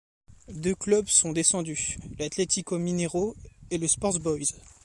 Deux clubs sont descendus, l'Atlético Minero et le Sport Boys.